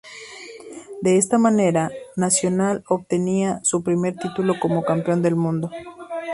De esta manera, Nacional obtenía su primer título como campeón del mundo.